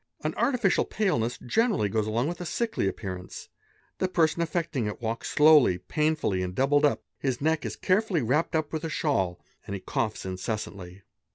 An artificial paleness generally goes along with a sickly appearance; the person affecting it walks slowly, painfully, and doubled up; his neck is ; carefully wrapped up with a shawl and he coughs incessantly.